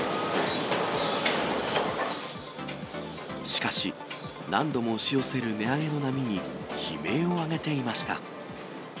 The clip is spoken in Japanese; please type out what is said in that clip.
しかし、何度も押し寄せる値上げの波に、悲鳴を上げていました。